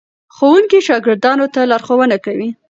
ښوونکي شاګردانو ته لارښوونه کوي.